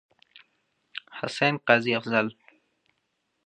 حسين، قاضي افضال.